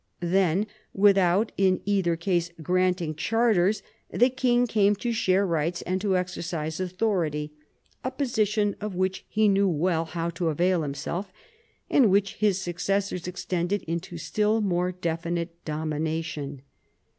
Then without in either case granting charters the king came to share rights and to exercise authority — a position of which he knew well how to avail himself, and which his successors extended into still more definite domination.